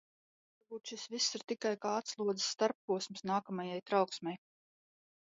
Varbūt šis viss ir tikai kā atslodzes starpposms nākamajai trauksmei.